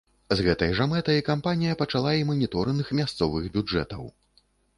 З гэтай жа мэтай кампанія пачала і маніторынг мясцовых бюджэтаў.